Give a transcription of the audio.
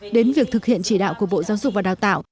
đến việc thực hiện chỉ đạo của bộ giáo dục và đào tạo